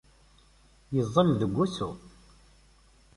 Yeẓẓel deg wusu.